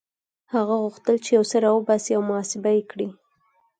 هغه غوښتل چې يو څه را وباسي او محاسبه يې کړي.